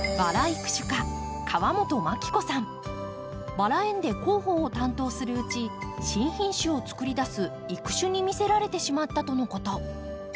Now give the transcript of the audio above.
バラ園で広報を担当するうち新品種をつくり出す育種に魅せられてしまったとのこと。